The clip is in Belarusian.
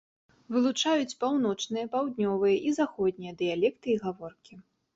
Вылучаюць паўночныя, паўднёвыя і заходнія дыялекты і гаворкі.